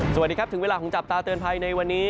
สวัสดีครับถึงเวลาของจับตาเตือนภัยในวันนี้